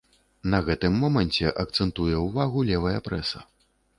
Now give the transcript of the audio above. На гэтым моманце акцэнтуе ўвагу левая прэса.